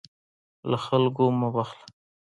له خلکو مه بخله.